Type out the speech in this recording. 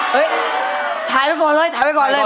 เฮ้ยถ่ายไปก่อนเลยถ่ายไปก่อนเลย